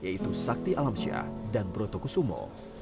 yang kedua adalah sakti alamsyah dan broto kusumo